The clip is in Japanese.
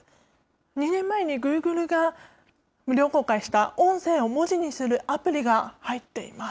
２年前にＧｏｏｇｌｅが無料公開した、音声を文字にするアプリが入っています。